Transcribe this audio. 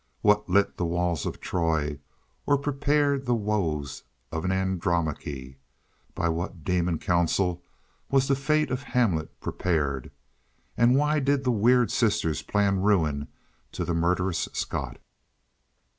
What lit the walls of Troy? Or prepared the woes of an Andromache? By what demon counsel was the fate of Hamlet prepared? And why did the weird sisters plan ruin to the murderous Scot?